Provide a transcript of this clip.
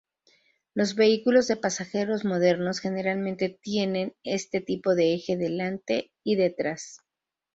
Los vehículos de pasajeros modernos generalmente tienen este tipo de eje delante y detrás.